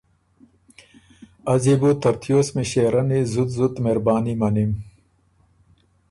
از يې بو ترتیوس مِݭېرنی زُت زُت مهرباني منِم